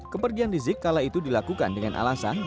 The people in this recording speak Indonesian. kepergian rizik kala itu dilakukan dengan alasan